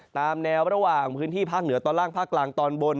ตามแนวระหว่างพื้นที่ภาคเหนือตอนล่างภาคกลางตอนบน